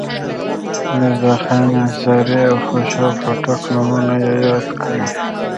میرزاخان انصاري او خوشحال خټک نومونه یې یاد کړي.